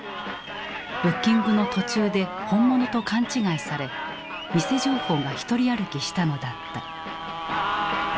ブッキングの途中で本物と勘違いされ偽情報がひとり歩きしたのだった。